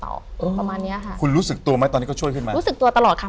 ประมาณเนี้ยค่ะคุณรู้สึกตัวไหมตอนนี้ก็ช่วยขึ้นมารู้สึกตัวตลอดค่ะ